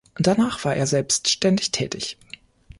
Danach war er selbständig tätig.